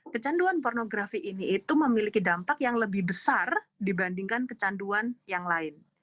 kecanduan pornografi ini itu memiliki dampak yang lebih besar dibandingkan kecanduan yang lain